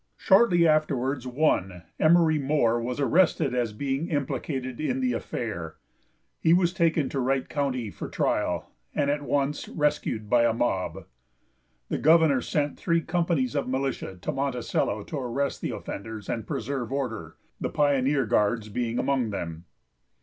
Shortly afterwards one, Emery Moore, was arrested as being implicated in the affair. He was taken to Wright county for trial, and at once rescued by a mob. The governor sent three companies of the militia to Monticello to arrest the offenders and preserve order, the Pioneer Guards being among them.